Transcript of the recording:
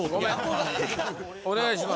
お願いします。